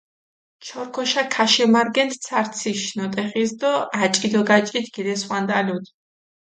ჩორქოშა ქაშემარგენდჷ ცარციშ ნოტეხის დო აჭი დო გაჭით გილეცხვანტალუდჷ.